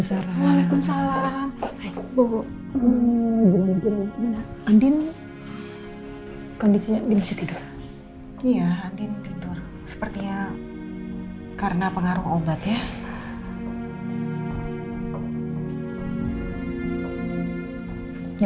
andien kondisinya dimisi tidur iya andien tidur sepertinya karena pengaruh obat ya